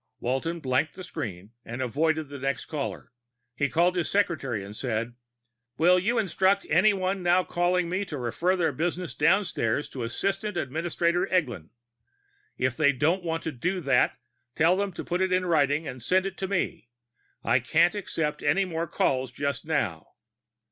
Walton blanked the screen and avoided the next caller. He called his secretary and said, "Will you instruct everyone now calling me to refer their business downstairs to Assistant Administrator Eglin. If they don't want to do that, tell them to put it in writing and send it to me. I can't accept any more calls just now."